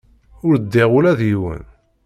Ur ddiɣ ula d yiwen.